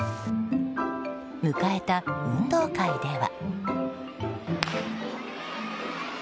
迎えた運動会では。